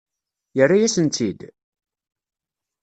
Yerra-yasen-tt-id?